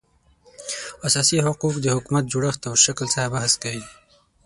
اساسي حقوق د حکومت د جوړښت او شکل څخه بحث کوي